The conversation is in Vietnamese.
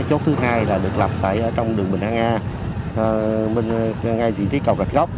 chốt thứ hai được lập trong đường bình an nga ngay vị trí cầu gạch góc